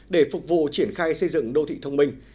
để phục vụ triển khai xây dựng đô thị thông minh